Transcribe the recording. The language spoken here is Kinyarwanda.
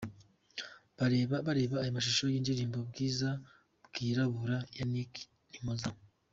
Reba aya mashusho y’indirimbo Bwiza Bwirabura ya Nick Dimpoz